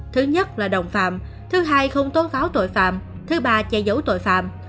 thứ nhất là đồng phạm thứ hai không tốn pháo tội phạm thứ ba che giấu tội phạm